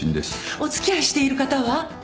お付き合いしている方は？